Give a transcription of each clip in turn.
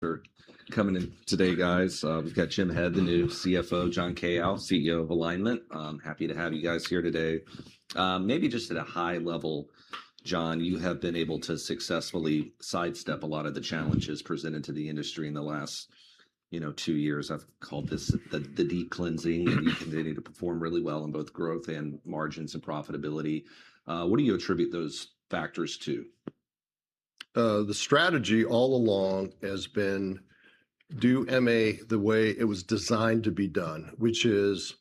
for coming in today, guys. We've got Jim Head, the new CFO, John Kao, CEO of Alignment. I'm happy to have you guys here today. Maybe just at a high level, John, you have been able to successfully sidestep a lot of the challenges presented to the industry in the last, you know, two years. I've called this the deep cleansing. You continue to perform really well in both growth and margins and profitability. What do you attribute those factors to? The strategy all along has been do MA the way it was designed to be done, which is,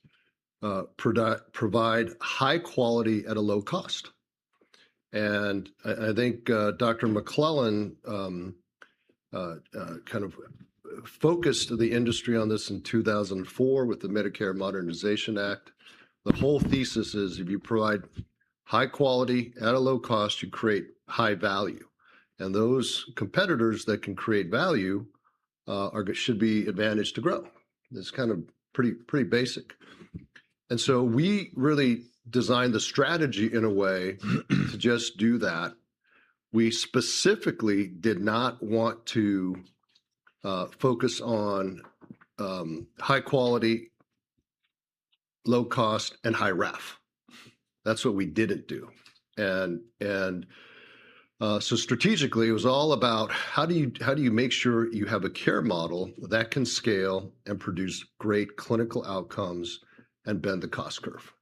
provide high quality at a low cost. I think Dr. McClellan kind of focused the industry on this in 2004 with the Medicare Modernization Act. The whole thesis is if you provide high quality at a low cost, you create high value, and those competitors that can create value should be advantaged to grow. It's kind of pretty basic. We really designed the strategy in a way to just do that. We specifically did not want to focus on high quality, low cost, and high RAF. That's what we didn't do. Strategically, it was all about how do you make sure you have a care model that can scale and produce great clinical outcomes and bend the cost curve?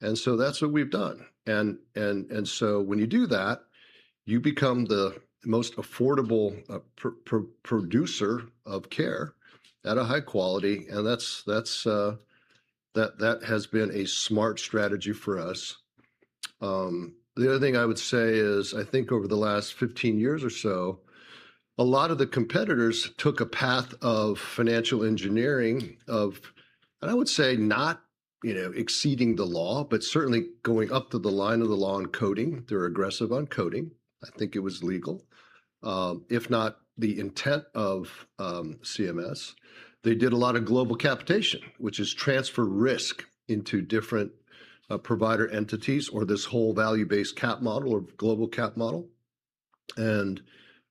That's what we've done. When you do that, you become the most affordable producer of care at a high quality, and that has been a smart strategy for us. The other thing I would say is, I think over the last 15 years or so, a lot of the competitors took a path of financial engineering of, and I would say not, you know, exceeding the law, but certainly going up to the line of the law in coding. They're aggressive on coding. I think it was legal, if not the intent of, CMS. They did a lot of global capitation, which is transfer risk into different provider entities or this whole value-based CAP model or global CAP model, and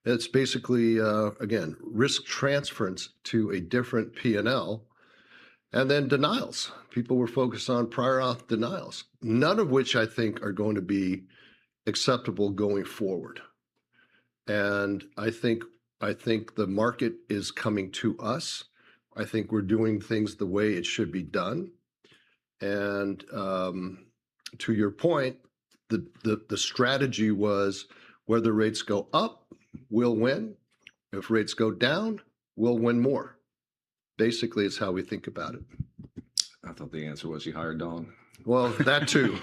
it's basically again, risk transference to a different P&L, and then denials. People were focused on prior auth denials. None of which I think are going to be acceptable going forward. I think the market is coming to us. I think we're doing things the way it should be done. To your point, the strategy was whether rates go up, we'll win. If rates go down, we'll win more, basically is how we think about it. I thought the answer was you hired Dawn. Well, that too.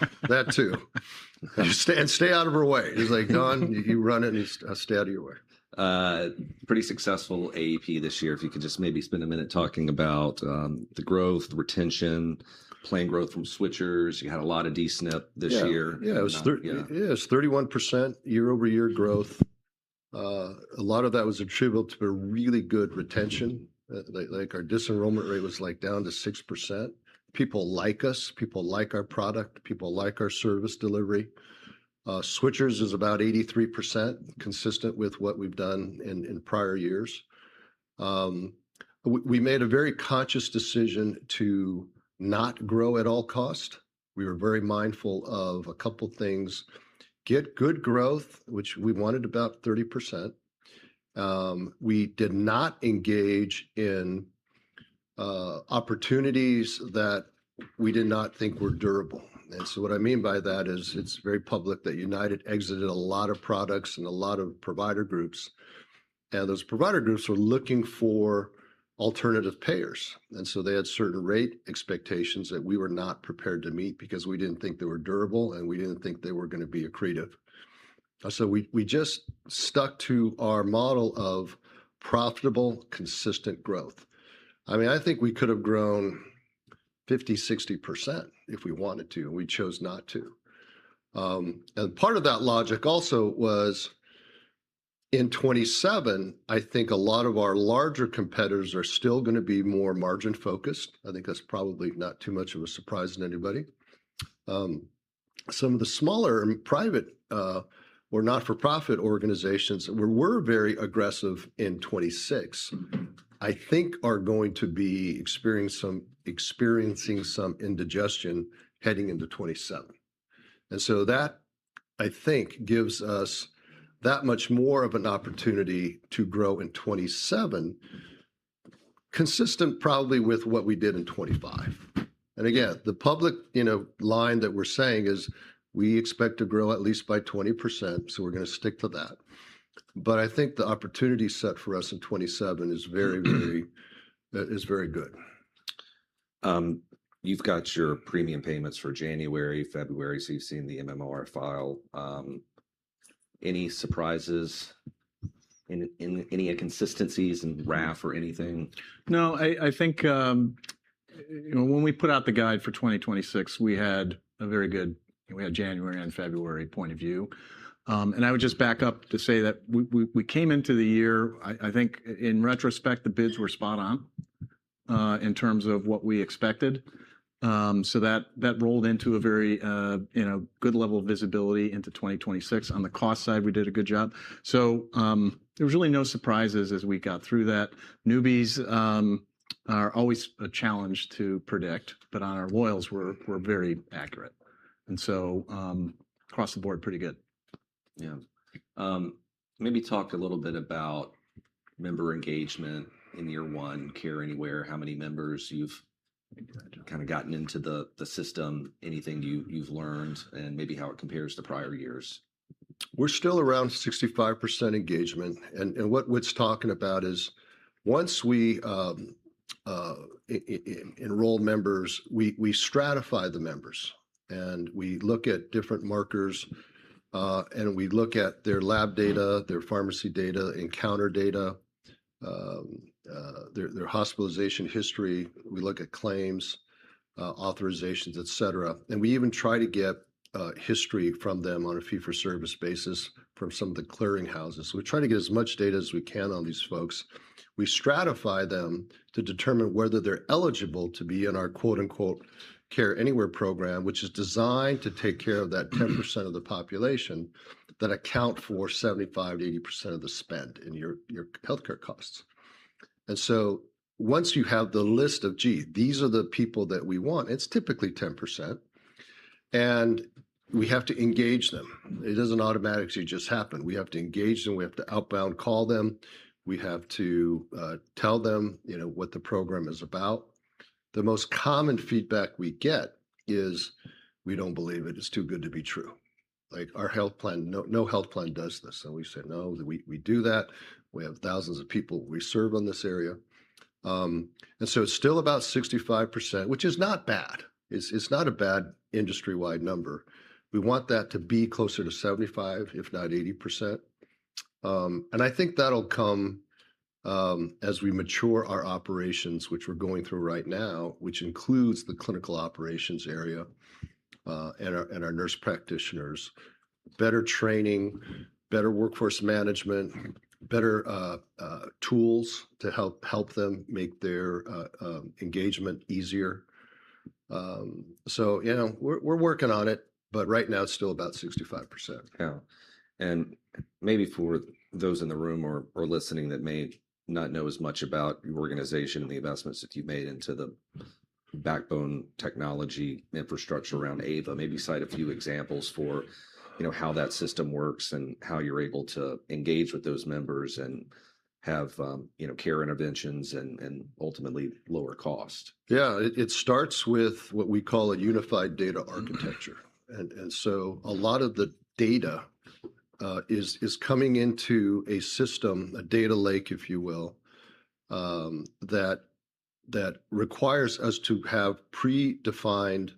Stay out of her way. It's like, "Dawn, you run it, and I'll stay out of your way. Pretty successful AEP this year. If you could just maybe spend a minute talking about the growth, retention, plan growth from switchers. You had a lot of D-SNP this year. Yeah. It was 31% year-over-year growth. A lot of that was attributable to a really good retention. Like, our disenrollment rate was, like, down to 6%. People like us. People like our product. People like our service delivery. Switchers is about 83%, consistent with what we've done in prior years. We made a very conscious decision to not grow at all cost. We were very mindful of a couple things. Get good growth, which we wanted about 30%. We did not engage in opportunities that we did not think were durable. What I mean by that is it's very public that United exited a lot of products and a lot of provider groups, and those provider groups were looking for alternative payers. They had certain rate expectations that we were not prepared to meet because we didn't think they were durable, and we didn't think they were gonna be accretive. We just stuck to our model of profitable, consistent growth. I mean, I think we could have grown 50%-60% if we wanted to, and we chose not to. Part of that logic also was in 2027. I think a lot of our larger competitors are still gonna be more margin-focused. I think that's probably not too much of a surprise to anybody. Some of the smaller and private or not-for-profit organizations were very aggressive in 2026. I think are going to be experiencing some indigestion heading into 2027. That, I think, gives us that much more of an opportunity to grow in 2027, consistent probably with what we did in 2025. Again, the public, you know, line that we're saying is we expect to grow at least by 20%, so we're gonna stick to that. I think the opportunity set for us in 2027 is very, very good. You've got your premium payments for January, February, so you've seen the MMR file. Any surprises in any inconsistencies in RAF or anything? No, I think, you know, when we put out the guide for 2026, we had a very good January and February point of view. I would just back up to say that we came into the year, I think in retrospect, the bids were spot on, in terms of what we expected. So that rolled into a very, you know, good level of visibility into 2026. On the cost side, we did a good job. There was really no surprises as we got through that. Newbies are always a challenge to predict, but on our loyals, we're very accurate. Across the board, pretty good. Yeah. Maybe talk a little bit about member engagement in year one, Care Anywhere, how many members you've kind of gotten into the system, anything you've learned, and maybe how it compares to prior years. We're still around 65% engagement, and what Whit's talking about is once we enroll members, we stratify the members, and we look at different markers, and we look at their lab data, their pharmacy data, encounter data, their hospitalization history. We look at claims, authorizations, et cetera. We even try to get history from them on a fee-for-service basis from some of the clearing houses. We try to get as much data as we can on these folks. We stratify them to determine whether they're eligible to be in our quote-unquote Care Anywhere program, which is designed to take care of that 10% of the population that account for 75%-80% of the spend in your healthcare costs. Once you have the list of, gee, these are the people that we want, it's typically 10%, and we have to engage them. It doesn't automatically just happen. We have to engage them. We have to outbound call them. We have to tell them, you know, what the program is about. The most common feedback we get is, "We don't believe it. It's too good to be true." Like, our health plan. "No, no health plan does this." We say, "No, we do that. We have thousands of people we serve on this area." It's still about 65%, which is not bad. It's not a bad industry-wide number. We want that to be closer to 75%, if not 80%. I think that'll come as we mature our operations, which we're going through right now, which includes the clinical operations area, and our nurse practitioners, better training, better workforce management, better tools to help them make their engagement easier. You know, we're working on it, but right now it's still about 65%. Yeah. Maybe for those in the room or listening that may not know as much about your organization and the investments that you've made into the backbone technology infrastructure around AVA, maybe cite a few examples for, you know, how that system works and how you're able to engage with those members and have, you know, care interventions and ultimately lower cost. Yeah. It starts with what we call a unified data architecture. A lot of the data is coming into a system, a data lake if you will, that requires us to have predefined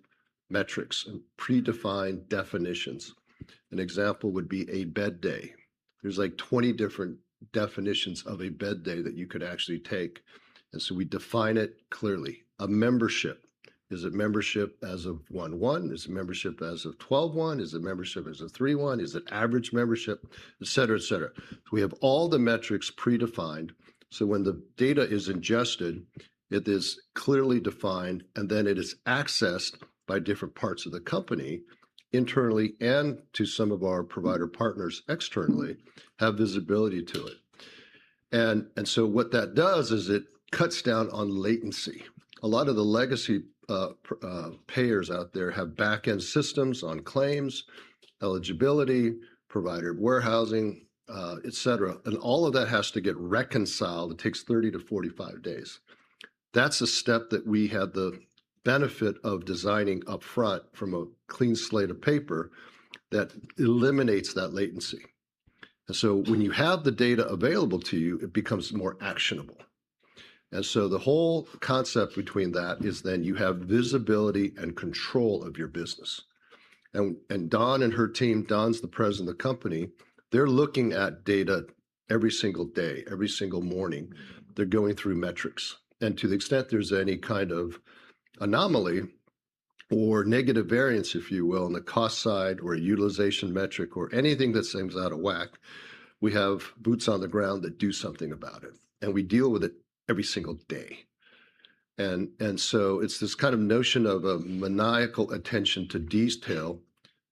metrics and predefined definitions. An example would be a bed day. There's like 20 different definitions of a bed day that you could actually take, and so we define it clearly. A membership. Is it membership as of 1/1? Is it membership as of 12/1? Is it membership as of 3/1? Is it average membership? Et cetera, et cetera. We have all the metrics predefined, so when the data is ingested, it is clearly defined, and then it is accessed by different parts of the company internally and to some of our provider partners externally have visibility to it. What that does is it cuts down on latency. A lot of the legacy payers out there have back-end systems on claims, eligibility, provider warehousing, et cetera, and all of that has to get reconciled. It takes 30-45 days. That's a step that we had the benefit of designing up front from a clean slate of paper that eliminates that latency. When you have the data available to you, it becomes more actionable. The whole concept between that is then you have visibility and control of your business. Dawn and her team, Dawn's the president of the company, they're looking at data every single day, every single morning. They're going through metrics. To the extent there's any kind of anomaly or negative variance, if you will, on the cost side or a utilization metric or anything that seems out of whack, we have boots on the ground that do something about it, and we deal with it every single day. It's this kind of notion of a maniacal attention to detail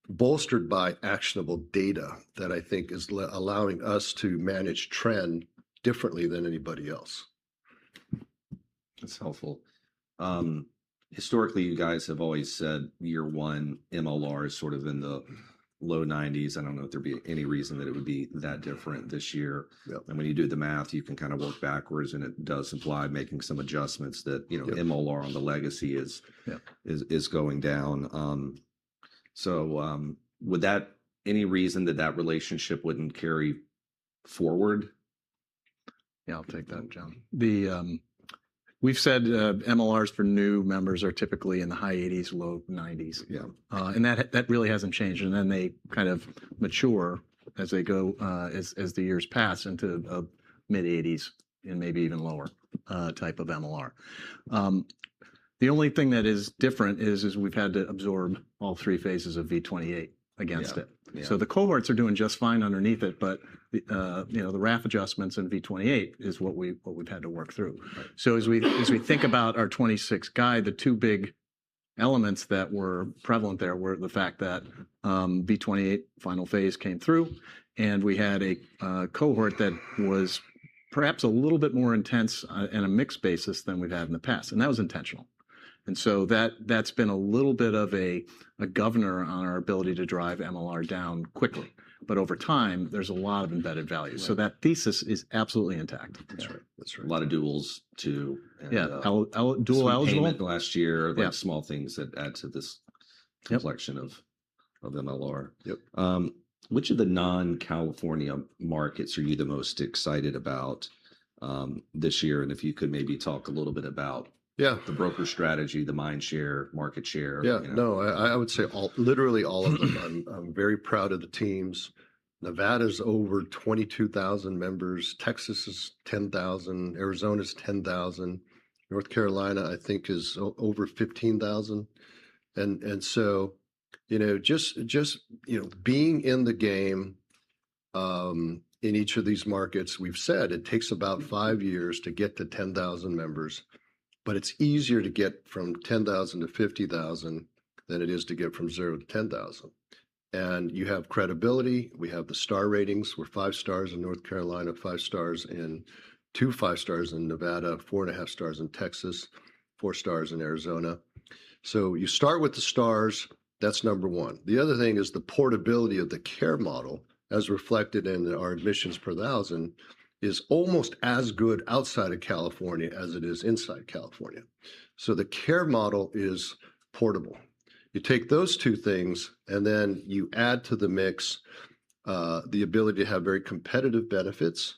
bolstered by actionable data that I think is allowing us to manage trend differently than anybody else. That's helpful. Historically, you guys have always said year one MLR is sort of in the low 90s. I don't know if there'd be any reason that it would be that different this year. When you do the math, you can kind of work backwards, and it does imply making some adjustments that, you know. MLR on the legacy is going down. Would any reason that relationship wouldn't carry forward? Yeah, I'll take that, John. We've said MLRs for new members are typically in the high 80s, low 90s. That really hasn't changed, and then they kind of mature as they go, as the years pass into a mid-80s and maybe even lower type of MLR. The only thing that is different is we've had to absorb all three phases of V28 against it. Yeah. The cohorts are doing just fine underneath it, but, you know, the RAF adjustments in V28 is what we've had to work through. As we think about our 2026 guide, the two big elements that were prevalent there were the fact that V28 final phase came through, and we had a cohort that was perhaps a little bit more intense in a mix basis than we've had in the past. That was intentional. That that's been a little bit of a governor on our ability to drive MLR down quickly. But over time, there's a lot of embedded value. That thesis is absolutely intact. Yeah. That's right. A lot of duals too, and-- Yeah. Dual eligible-- Some payment last year. Like small things that add to this collection of MLR. Yep. Which of the non-California markets are you the most excited about this year? If you could maybe talk a little bit about the broker strategy, the mind share, market share. Yeah. No, I would say all, literally all of them. I'm very proud of the teams. Nevada's over 22,000 members, Texas is 10,000, Arizona's 10,000, North Carolina I think is over 15,000. You know, just you know, being in the game in each of these markets, we've said it takes about five years to get to 10,000 members, but it's easier to get from 10,000 to 50,000 than it is to get from 0 to 10,000. You have credibility. We have the Star Ratings. We're five stars in North Carolina, two five stars in Nevada, 4.5 stars in Texas, four stars in Arizona. You start with the stars, that's number one. The other thing is the portability of the care model, as reflected in our admissions per thousand, is almost as good outside of California as it is inside California. The care model is portable. You take those two things, and then you add to the mix, the ability to have very competitive benefits,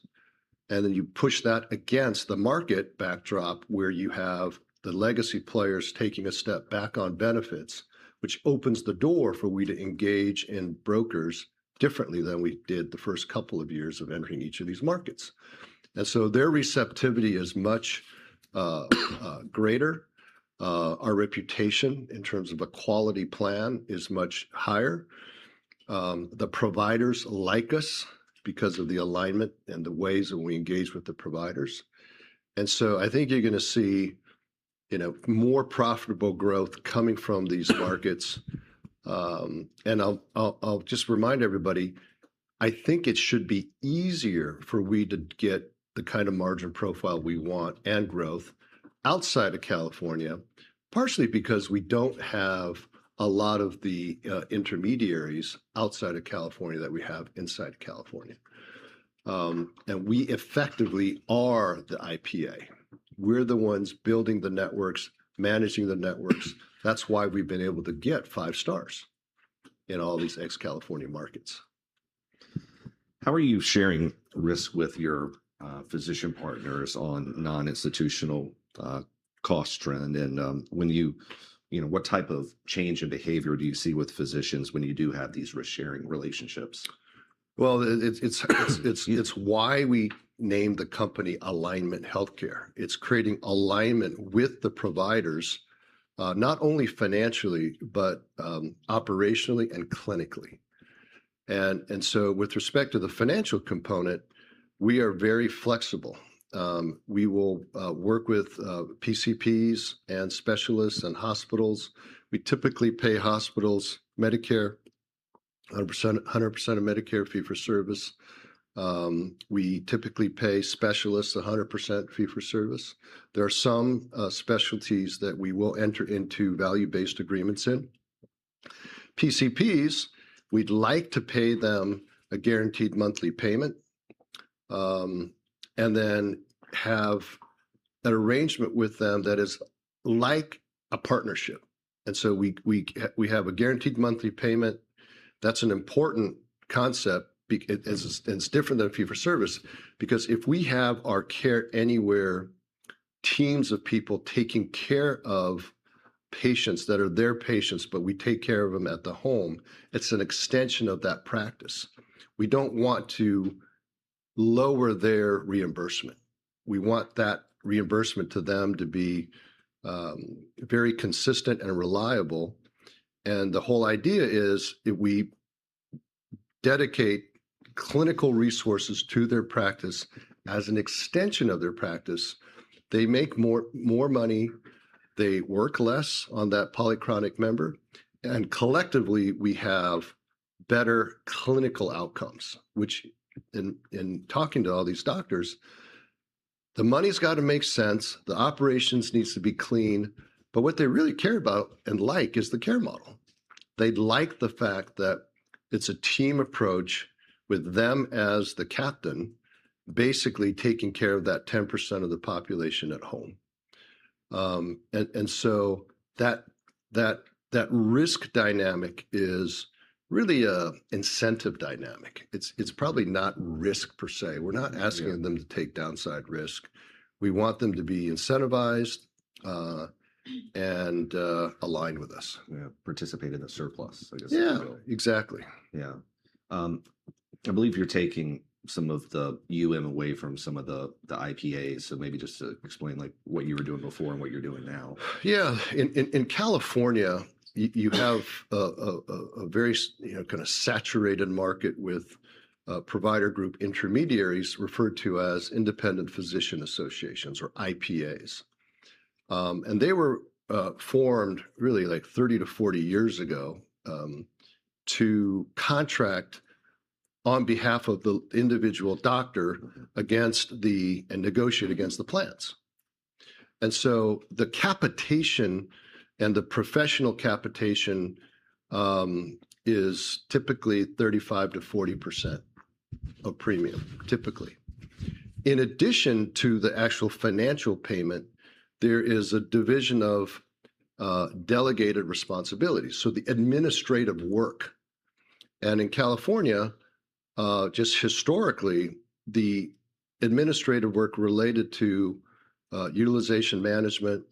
and then you push that against the market backdrop where you have the legacy players taking a step back on benefits, which opens the door for we to engage in brokers differently than we did the first couple of years of entering each of these markets. Their receptivity is much greater. Our reputation in terms of a quality plan is much higher. The providers like us because of the alignment and the ways that we engage with the providers. I think you're gonna see, you know, more profitable growth coming from these markets. I'll just remind everybody, I think it should be easier for we to get the kind of margin profile we want and growth outside of California, partially because we don't have a lot of the intermediaries outside of California that we have inside California. We effectively are the IPA. We're the ones building the networks, managing the networks. That's why we've been able to get five stars in all these ex-California markets. How are you sharing risk with your physician partners on non-institutional cost trend? You know, what type of change in behavior do you see with physicians when you do have these risk-sharing relationships? It's why we named the company Alignment Healthcare. It's creating alignment with the providers, not only financially, but operationally and clinically. With respect to the financial component, we are very flexible. We will work with PCPs and specialists and hospitals. We typically pay hospitals 100% of Medicare fee-for-service. We typically pay specialists 100% fee-for-service. There are some specialties that we will enter into value-based agreements in. PCPs, we'd like to pay them a guaranteed monthly payment and then have an arrangement with them that is like a partnership. We have a guaranteed monthly payment. That's an important concept. It's different than a fee-for-service because if we have our Care Anywhere teams of people taking care of patients that are their patients, but we take care of them at the home, it's an extension of that practice. We don't want to lower their reimbursement. We want that reimbursement to them to be very consistent and reliable. The whole idea is, if we dedicate clinical resources to their practice as an extension of their practice, they make more money, they work less on that polychronic member, and collectively, we have better clinical outcomes, which in talking to all these doctors, the money's gotta make sense, the operations needs to be clean, but what they really care about and like is the care model. They like the fact that it's a team approach with them as the captain, basically taking care of that 10% of the population at home. That risk dynamic is really a incentive dynamic. It's probably not risk per se. We're not asking them to take downside risk. We want them to be incentivized, and aligned with us. Yeah. Participate in the surplus, I guess you could say. Yeah. Exactly. I believe you're taking some of the UM away from some of the IPAs, so maybe just to explain, like, what you were doing before and what you're doing now. In California, you have a very saturated market with provider group intermediaries referred to as independent physician associations or IPAs. They were formed really, like, 30 to 40 years ago to contract on behalf of the individual doctor against the and negotiate against the plans. The capitation and the professional capitation is typically 35%-40% of premium, typically. In addition to the actual financial payment, there is a division of delegated responsibilities, so the administrative work. In California, just historically, the administrative work related to utilization management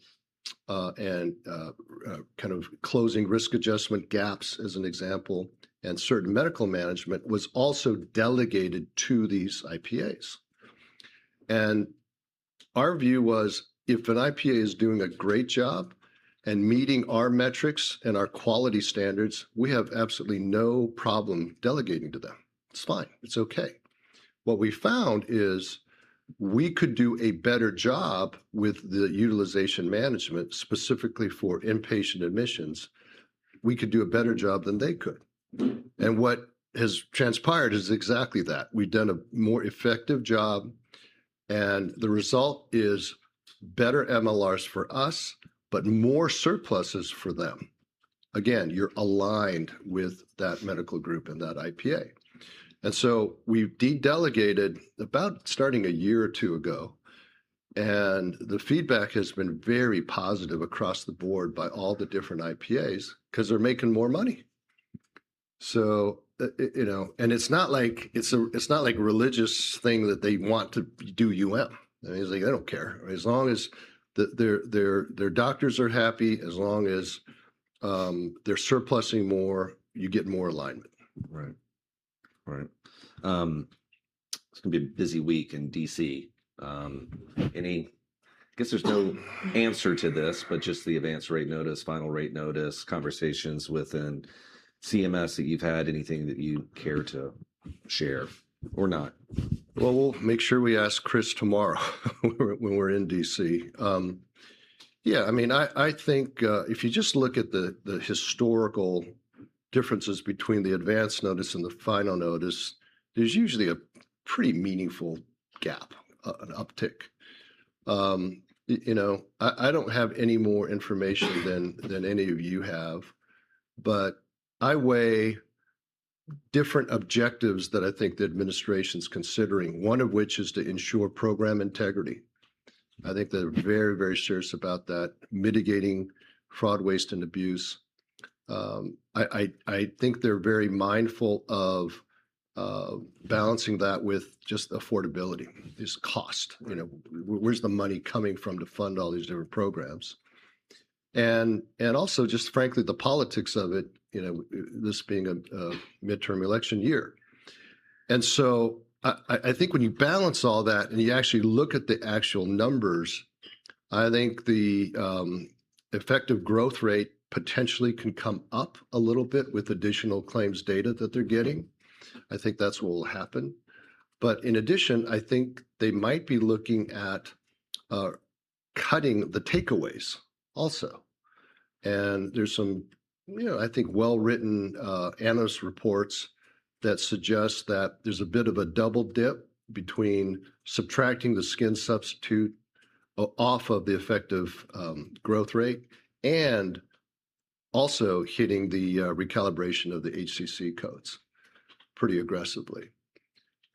and kind of closing risk adjustment gaps as an example, and certain medical management was also delegated to these IPAs. Our view was if an IPA is doing a great job and meeting our metrics and our quality standards, we have absolutely no problem delegating to them. It's fine. It's okay. What we found is we could do a better job with the utilization management, specifically for inpatient admissions, we could do a better job than they could. What has transpired is exactly that. We've done a more effective job, and the result is better MLRs for us, but more surpluses for them. Again, you're aligned with that medical group and that IPA. We de-delegated about starting a year or two ago, and the feedback has been very positive across the board by all the different IPAs 'cause they're making more money. You know, it's not like a religious thing that they want to do UM. I mean, it's like they don't care. As long as their doctors are happy, as long as they're surplusing more, you get more alignment. Right. It's gonna be a busy week in D.C. I guess there's no answer to this, but just the Advance Notice, final rate notice, conversations within CMS that you've had, anything that you care to share or not? Well, we'll make sure we ask Chris tomorrow when we're in D.C. Yeah, I mean, I think if you just look at the historical differences between the Advance Notice and the final notice, there's usually a pretty meaningful gap, an uptick. You know, I don't have any more information than any of you have, but I weigh different objectives that I think the administration's considering, one of which is to ensure program integrity. I think they're very, very serious about that, mitigating fraud, waste, and abuse. I think they're very mindful of balancing that with just affordability, just cost. You know, where's the money coming from to fund all these different programs? Also just frankly the politics of it, you know, this being a midterm election year. I think when you balance all that and you actually look at the actual numbers, I think the effective growth rate potentially can come up a little bit with additional claims data that they're getting. I think that's what will happen. In addition, I think they might be looking at cutting the takeaways also. There's some, you know, I think well-written analyst reports that suggest that there's a bit of a double dip between subtracting the skin substitute off of the effective growth rate and also hitting the recalibration of the HCC codes pretty aggressively.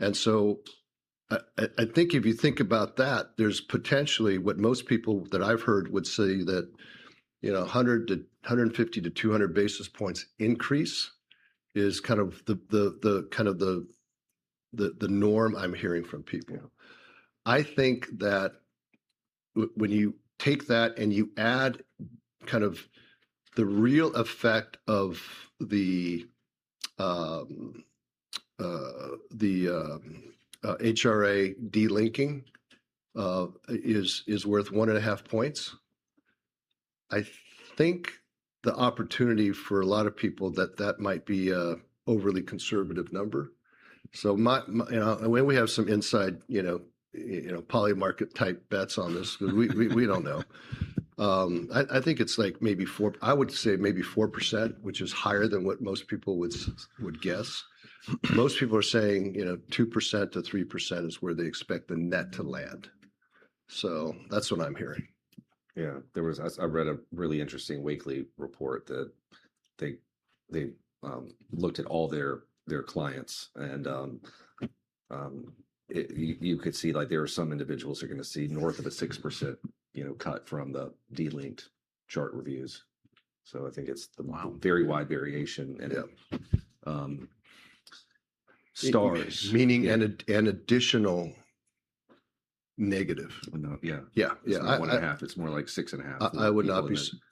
I think if you think about that, there's potentially what most people that I've heard would say that, you know, 100 to 150 to 200 basis points increase is kind of the norm I'm hearing from people. I think that when you take that and you add kind of the real effect of the HRA de-linking, is worth 1.5 points. I think the opportunity for a lot of people that might be a overly conservative number. When we have some inside, you know, Polymarket-type bets on this 'cause we don't know. I think it's like maybe 4%, which is higher than what most people would guess. Most people are saying, you know, 2%-3% is where they expect the net to land. That's what I'm hearing. Yeah, I read a really interesting weekly report that they looked at all their clients and you could see, like, there are some individuals who are gonna see north of a 6%, you know, cut from the de-linked chart reviews. I think it's the very wide variation and stars. Meaning an additional negative. No, yeah. Yeah, yeah. It's not 1.5, it's more like 6.5. I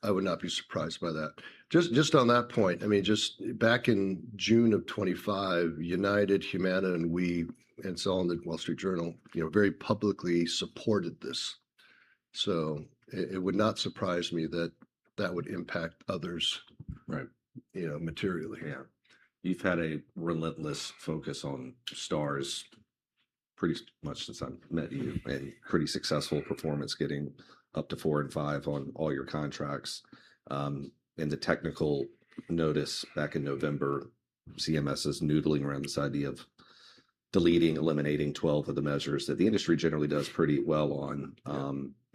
would not be surprised by that. Just on that point, I mean, just back in June of 2025, UnitedHealthcare, Humana, and we, and so on The Wall Street Journal, you know, very publicly supported this. It would not surprise me that that would impact others. You know, materially. Yeah. You've had a relentless focus on stars pretty much since I've met you, and pretty successful performance getting up to four and five on all your contracts. In the Advance Notice back in November, CMS is noodling around this idea of deleting, eliminating 12 of the measures that the industry generally does pretty well on.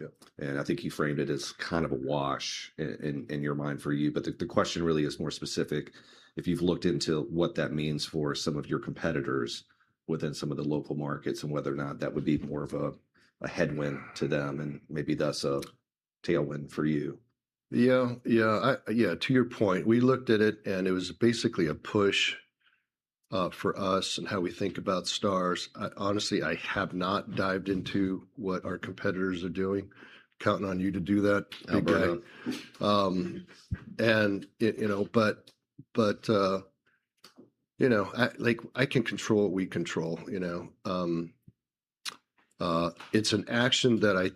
Yep. I think you framed it as kind of a wash in your mind, for you. The question really is more specific, if you've looked into what that means for some of your competitors within some of the local markets, and whether or not that would be more of a headwind to them, and maybe thus a tailwind for you. Yeah, to your point, we looked at it, and it was basically a push for us in how we think about stars. Honestly, I have not dived into what our competitors are doing. Counting on you to do that, [Alberto]. You know, like, I can control what we control, you know? It's an action that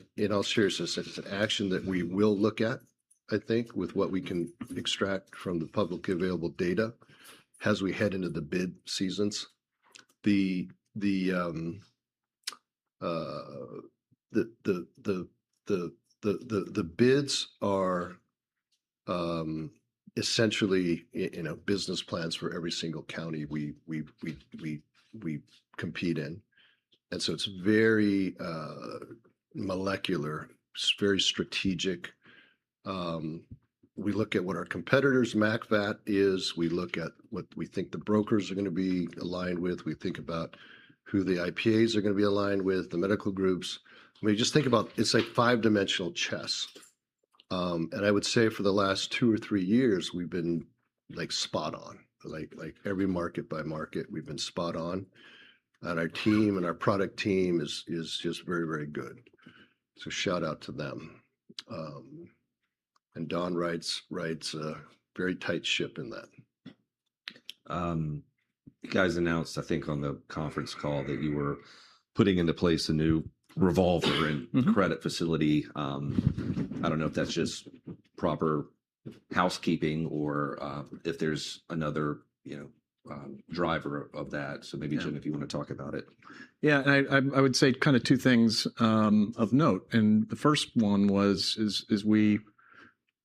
we will look at, I think, with what we can extract from the publicly available data as we head into the bid seasons. The bids are essentially, you know, business plans for every single county we compete in, and so it's very granular, very strategic. We look at what our competitor's max MAPD is. We look at what we think the brokers are gonna be aligned with. We think about who the IPAs are gonna be aligned with, the medical groups. I mean, just think about, it's like five-dimensional chess. I would say for the last two or three years, we've been, like, spot on. Like, every market by market, we've been spot on, and our team and our product team is just very, very good. Shout out to them. Don rides a very tight ship in that. You guys announced, I think on the conference call, that you were putting into place a new revolver and credit facility. I don't know if that's just proper housekeeping or if there's another, you know, driver of that. Maybe Jim, if you wanna talk about it. I would say kind of two things of note, and the first one is, as we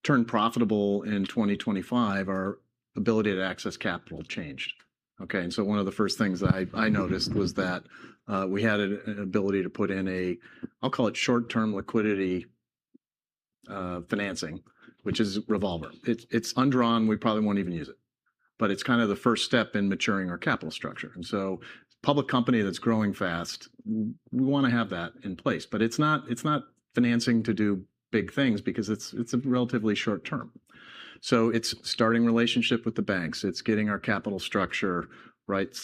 turn profitable in 2025, our ability to access capital changed, okay? One of the first things I noticed was that we had an ability to put in a, I'll call it short-term liquidity financing, which is revolver. It's undrawn. We probably won't even use it, but it's kind of the first step in maturing our capital structure. Public company that's growing fast, we wanna have that in place. But it's not financing to do big things because it's a relatively short term. It's starting relationship with the banks. It's getting our capital structure right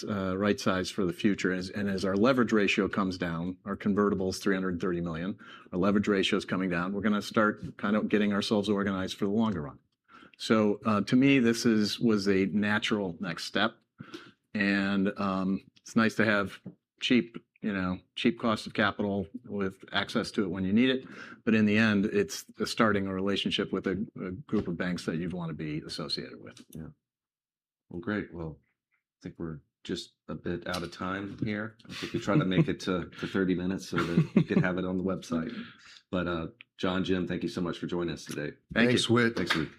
sized for the future. As our leverage ratio comes down, our convertible's $330 million, our leverage ratio's coming down, we're gonna start kind of getting ourselves organized for the longer run. To me, this was a natural next step, and it's nice to have cheap, you know, cost of capital with access to it when you need it. In the end, it's starting a relationship with a group of banks that you'd wanna be associated with. Yeah. Well, great. Well, I think we're just a bit out of time here. We try to make it to 30 minutes so that we can have it on the website. John, Jim, thank you so much for joining us today. Thanks, Whit. Thanks, Whit.